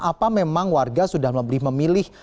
apa memang warga sudah memilih